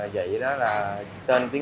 đây là loại bánh khoa son